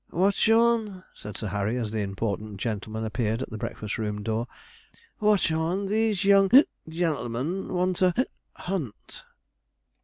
'Watchorn,' said Sir Harry, as the important gentleman appeared at the breakfast room door 'Watchorn, these young gentlemen want a hunt.'